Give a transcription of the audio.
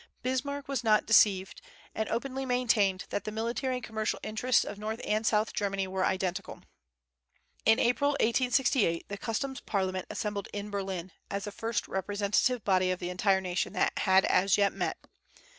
Bismarck was not deceived, and openly maintained that the military and commercial interests of north and south Germany were identical. In April, 1868, the Customs Parliament assembled in Berlin, as the first representative body of the entire nation that had as yet met.